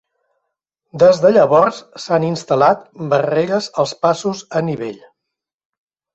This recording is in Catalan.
Des de llavors s'han instal·lat barreres als passos a nivell.